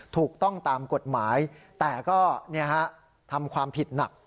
ถูกต้องตามกฎหมายแต่ก็ทำความผิดหนัก